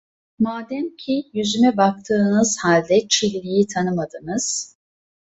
Mademki yüzüme baktığınız halde Çilli'yi tanımadınız…